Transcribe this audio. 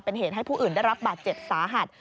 เป็นเหตุให้ผู้อื่นได้รับบาดเจ็บสาหัส